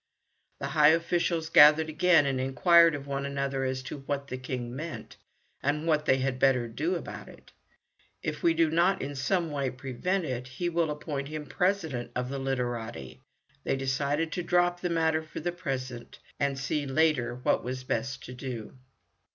The high officials gathered again and inquired of one another as to what the King meant, and what they had better do about it. "If we do not in some way prevent it, he will appoint him as President of the Literati." They decided to drop the matter for the present, and see later what was best to do.